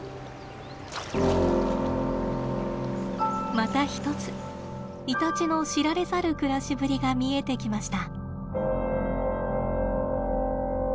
また一つイタチの知られざる暮らしぶりが見えてきました。